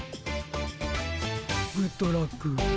グッドラック。